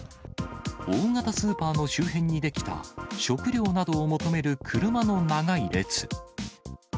大型スーパーの周辺に出来た食料などを求める車の長い列。